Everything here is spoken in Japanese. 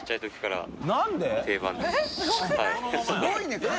すごいね！